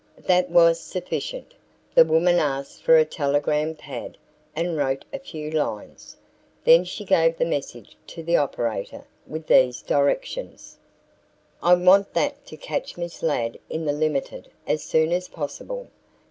That was sufficient. The woman asked for a telegram pad and wrote a few lines. Then she gave the message to the operator with these directions: "I want that to catch Miss Ladd in the limited as soon as possible.